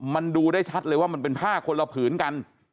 มันดูได้ชัดเลยว่ามันเป็นผ้าคนละผืนกัน